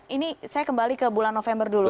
ini saya kembali ke bulan november dulu